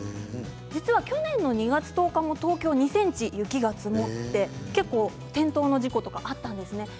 実は去年の２月１０日も東京２ｃｍ雪が積もって結構転倒の事故とかあったんですね。